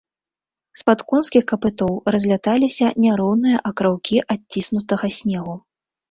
З-пад конскіх капытоў разляталіся няроўныя акраўкі адціснутага снегу.